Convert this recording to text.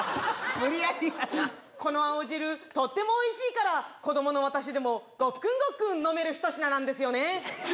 無理やりやなこの青汁とってもおいしいから子どもの私でもごっくんごっくん飲めるひと品なんですよね